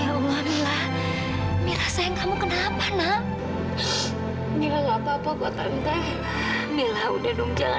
ya allah milah milah sayang kamu kenapa nak nilai apa apa gua tante milah udah dong jangan